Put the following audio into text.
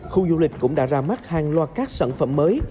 khu du lịch cũng đã ra mắt hàng loạt các sản phẩm mới